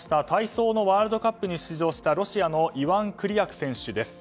体操のワールドカップに出場したロシアのイワン・クリアク選手。